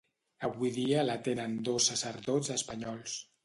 Avui dia l'atenen dos sacerdots espanyols.